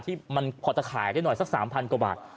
ที่มันพอจะขายได้หน่อยสัก๓๐๐กว่าบาท